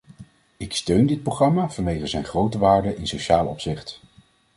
Ik steun dit programma vanwege zijn grote waarde in sociaal opzicht.